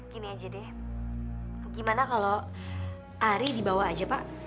gini aja deh gimana kalau ari dibawa aja pak